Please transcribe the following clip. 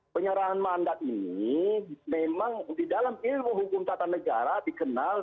penyerahan mandat ini memang di dalam ilmu hukum tata negara dikenal